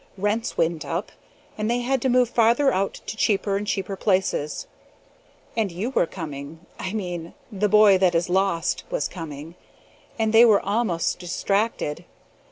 Rents went up, and they had to move farther out to cheaper and cheaper places; and you were coming I mean, the boy that is lost was coming and they were almost distracted.